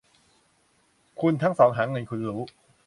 คุณทั้งสองหาเงิน คุณรู้